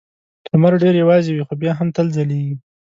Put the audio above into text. لمر ډېر یوازې وي خو بیا هم تل ځلېږي.